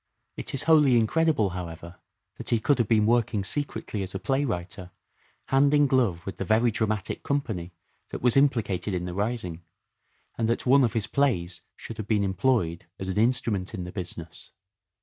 It is wholly incredible, however, that he could have been working secretly as a playwriter hand in glove with the very dramatic company that was implicated in the rising, and that one of his plays should have been employed as an instrument in the business.